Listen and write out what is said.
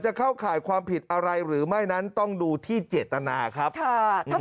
เข้าข่ายความผิดอะไรหรือไม่นั้นต้องดูที่เจตนาครับค่ะ